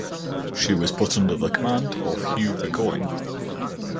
She was put under the command of Hugh Burgoyne.